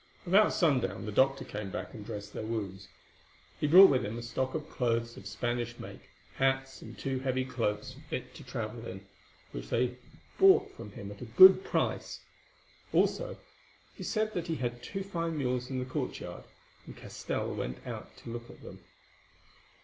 About sundown the doctor came back and dressed their wounds. He brought with him a stock of clothes of Spanish make, hats and two heavy cloaks fit to travel in, which they bought from him at a good price. Also, he said that he had two fine mules in the courtyard, and Castell went out to look at them.